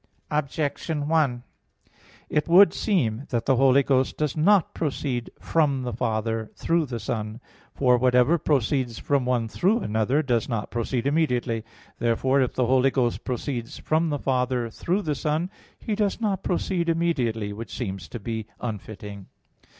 Objection 1: It would seem that the Holy Ghost does not proceed from the Father through the Son. For whatever proceeds from one through another, does not proceed immediately. Therefore, if the Holy Ghost proceeds from the Father through the Son, He does not proceed immediately; which seems to be unfitting.